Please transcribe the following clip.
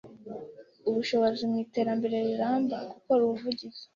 ubushobozi mu iterambere riramba, gukora ubuvugizi